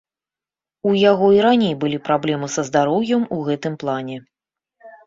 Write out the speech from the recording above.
У яго і раней былі праблемы са здароўем у гэтым плане.